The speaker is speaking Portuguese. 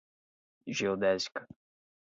geodésica